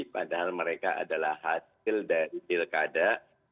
padahal mereka adalah hasil dari pilkada